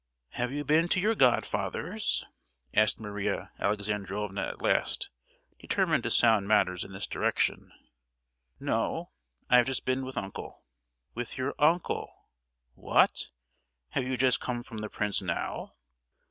"Have you been to your godfather's?" asked Maria Alexandrovna at last, determined to sound matters in this direction. "No, I've just been with uncle." "With your uncle! What! have you just come from the prince now?"